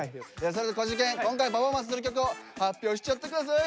早速こじけん今回パフォーマンスする曲を発表しちゃって下さい！